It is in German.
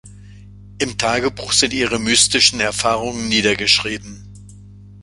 Im Tagebuch sind ihre mystischen Erfahrungen niedergeschrieben.